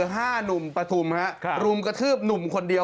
ห้านุ่มปฐุมฮะครับรุมกระทืบหนุ่มคนเดียว